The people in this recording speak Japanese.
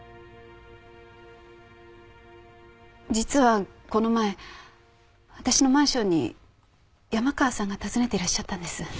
実はこの前私のマンションに山川さんが訪ねていらっしゃったんです。